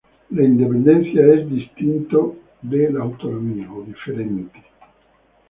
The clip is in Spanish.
La independencia se distingue de la autonomía.